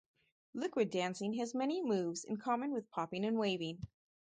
Liquid dancing has many moves in common with popping and waving.